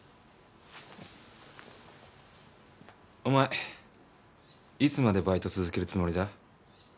お前いつまでバイト続けるつもりだ？